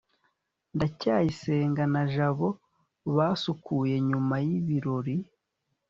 ndacyayisenga na jabo basukuye nyuma y'ibirori